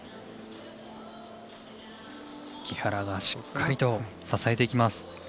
木原がしっかりと支えていきます。